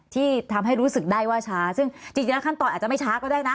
ที่ทำให้รู้สึกได้ว่าช้าซึ่งจริงแล้วขั้นตอนอาจจะไม่ช้าก็ได้นะ